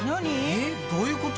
えっどういうこと？